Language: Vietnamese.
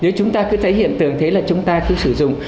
nếu chúng ta cứ thấy hiện tượng thế là chúng ta cứ sử dụng